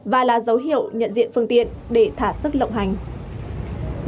và là dấu hiệu nhận diện phương tiện để thả sức lộng hành